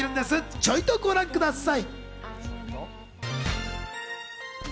ちょいとご覧ください。